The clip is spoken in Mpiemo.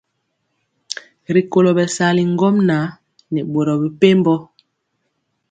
Rikolo bɛsali ŋgomnaŋ nɛ boro mepempɔ.